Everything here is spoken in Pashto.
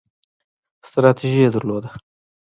ستراتیژي یې درلوده.